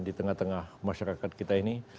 di tengah tengah masyarakat kita ini